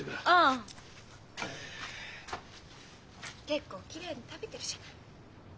結構きれいに食べてるじゃない。